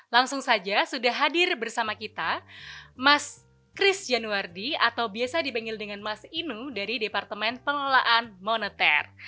langsung saja sudah hadir bersama kita mas kris januardi atau biasa dipanggil dengan mas inu dari departemen pengelolaan moneter